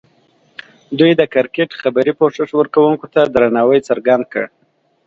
دوی د کرکټ خبري پوښښ ورکوونکو ته درناوی څرګند کړ.